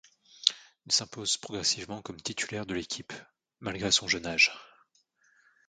Il s'impose progressivement comme titulaire de l'équipe malgré son jeune âge.